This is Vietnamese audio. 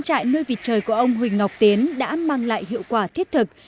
trại vị trời của ông huỳnh ngọc tiến đã mang lại hiệu quả thiết thực